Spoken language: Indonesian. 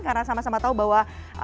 karena sama sama tahu bahwa